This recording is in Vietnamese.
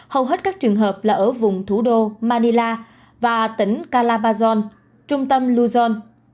hầu hết các trường hợp là ở vùng thủ đô manila và tỉnh calabasol trung tâm luzon